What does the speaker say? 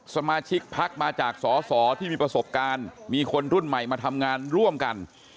สมาชิกพักมาจากสอสอที่มีประสบการณ์มีคนรุ่นใหม่มาทำงานร่วมกัน